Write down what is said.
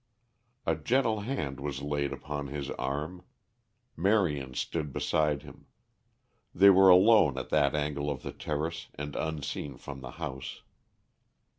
A gentle hand was laid upon his arm. Marion stood beside him. They were alone at that angle of the terrace and unseen from the house.